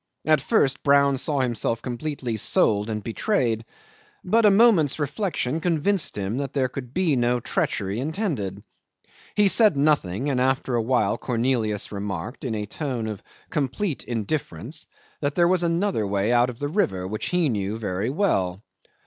At first Brown saw himself completely sold and betrayed, but a moment's reflection convinced him that there could be no treachery intended. He said nothing, and after a while Cornelius remarked, in a tone of complete indifference, that there was another way out of the river which he knew very well.